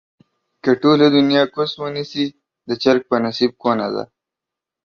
که ټوله دنياکوس ونسي ، د چرگ په نصيب کونه ده